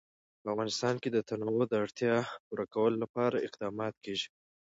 په افغانستان کې د تنوع د اړتیاوو پوره کولو لپاره اقدامات کېږي.